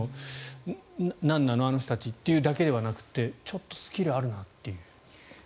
なんなのあの人たちというのだけではなくてちょっとスキルあるなという。